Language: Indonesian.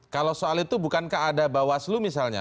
kalau soal itu bukankah ada bawaslu misalnya